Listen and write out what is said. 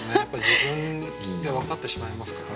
自分で分かってしまいますからね。